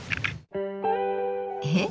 えっ？